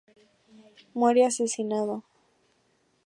Muere asesinado.